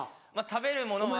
食べるものは。